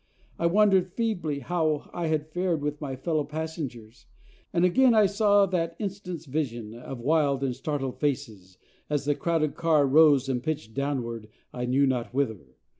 I wondered feebly how it had fared with my fellow passengers, and again I saw that instant's vision of wild and startled faces as the crowded car rose and pitched downward, I knew not whither.